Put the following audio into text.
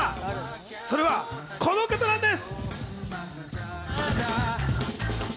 それはこの方なんです。